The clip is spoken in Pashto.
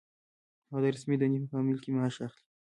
هغه د رسمي دندې په مقابل کې معاش اخلي.